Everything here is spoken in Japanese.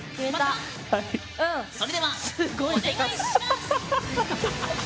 それでは、お願いします！